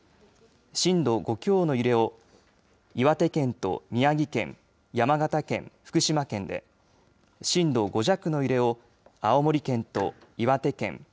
震度５強の揺れを岩手県と宮城県山形県、福島県で震度５弱の揺れを青森県と岩手県